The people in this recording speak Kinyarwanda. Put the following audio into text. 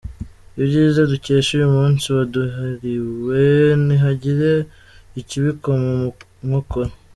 Ibyiza dukesha uyu munsi waduhariwe ntihagire ikibikoma mu nkokora.